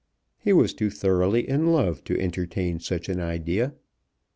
He was too thoroughly in love to entertain such an idea.